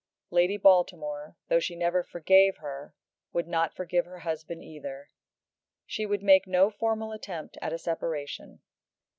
Lady Baltimore, though she never forgave her, would not forgive her husband either; she would make no formal attempt at a separation.